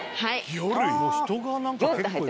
はい。